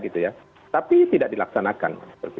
tapi tidak dilaksanakan